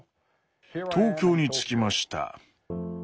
「東京に着きました。